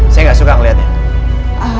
saya gak suka ngeliatnya